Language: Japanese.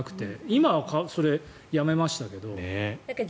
今は、それやめましたけど。